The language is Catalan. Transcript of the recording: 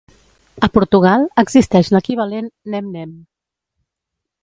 A Portugal, existeix l"equivalent "nem-nem".